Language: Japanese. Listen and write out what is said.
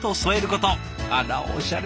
あらおしゃれ。